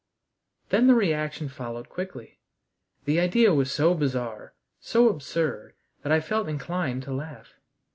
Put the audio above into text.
Then the reaction followed quickly. The idea was so bizarre, so absurd, that I felt inclined to laugh.